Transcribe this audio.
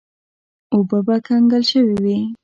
اوبه به کنګل شوې وې.